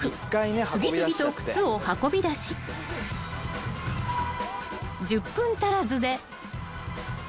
［次々と靴を運び出し１０分足らずで］